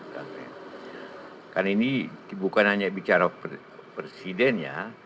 karena ini bukan hanya bicara presiden ya